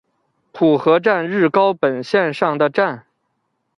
浦河站日高本线上的站。